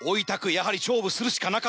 やはり勝負するしかなかった。